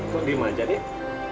kok dia manja deh